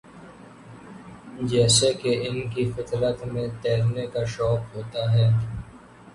جیسے کہ ان کی فطر ت میں تیرنے کا شوق ہوتا ہے